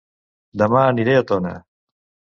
Dema aniré a Tona